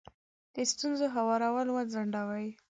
د ستونزو هوارول وځنډوئ.